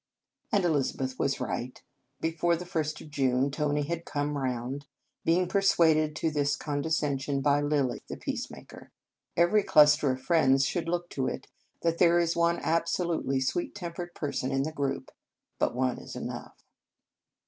And Elizabeth was right. Before the first of June, Tony had " come round;" being persuaded to this con descension by Lilly the peacemaker. Every cluster of friends should look to it that there is one absolutely sweet tempered person in the group. But one is enough.